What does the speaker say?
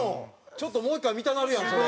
ちょっともう１回見たなるやんそれ。